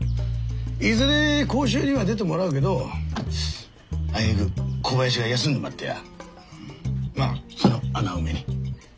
いずれ講習には出てもらうけどあいにく小林が休んでまってやうんまその穴埋めに。